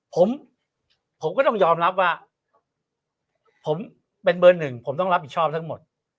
ผมผมก็ต้องยอมรับว่าผมเป็นเบอร์หนึ่งผมต้องรับผิดชอบทั้งหมด